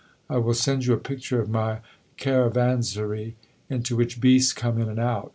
I will send you a picture of my Caravanserai, into which beasts come in and out.